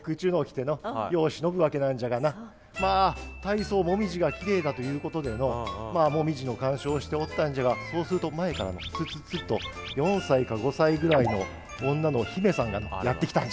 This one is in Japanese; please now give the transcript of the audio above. まあ大層紅葉がきれいだということでの紅葉の観賞をしておったんじゃがそうすると前からツツツと４歳か５歳ぐらいの女の姫さんがのやって来たんじゃ。